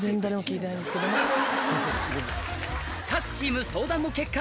各チーム相談の結果